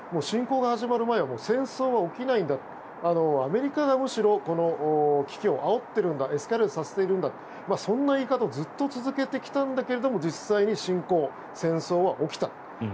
侵攻が始まる前は戦争は起きないんだアメリカがむしろ危機をあおっているんだエスカレートさせているんだとそんな言い方をずっと続けてきたんだけれども実際に侵攻、戦争は起きた。